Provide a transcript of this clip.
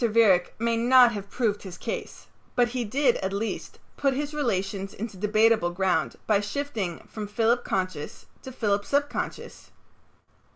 Viereck may not have proved his case, but he did, at least, put his relations into debatable ground by shifting from Philip conscious to Philip subconscious.